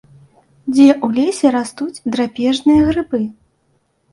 Дзе ў лесе растуць драпежныя грыбы?